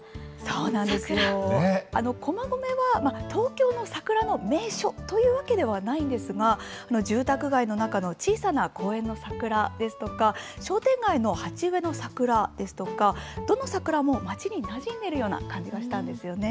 そうなんですよ、駒込は東京の桜の名所というわけではないんですが、住宅街の中の小さな公園の桜ですとか、商店街の鉢植えの桜ですとか、どの桜も町になじんでるような感じがしたんですよね。